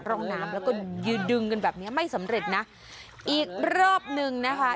ร่องน้ำแล้วก็ยืนดึงกันแบบเนี้ยไม่สำเร็จนะอีกรอบหนึ่งนะคะ